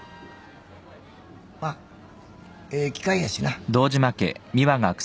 まっええ機会やしな。